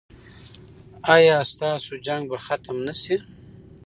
ایا ستاسو جنګ به ختم نه شي؟